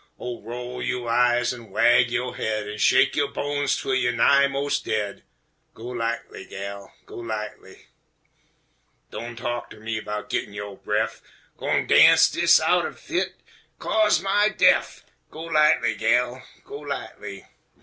Oh, roll yo' eyes an' wag yo' haid An' shake yo' bones twel you nigh most daid, Go lightly, gal, go lightly! Doan' talk ter me 'bout gittin' yo' bref, Gwine darnse dis out ef hit cause my def! Go lightly, gal, go lightly!